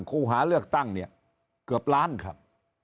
ครูหาเลือกตั้งเกือบล้านครับ